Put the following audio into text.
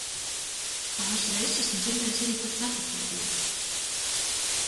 Pāris reizes esmu dzirdējis arī par ceturto vietu.